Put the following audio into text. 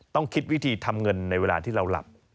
ต้องคิดวิธีทำเงินในเวลาที่เราหลับ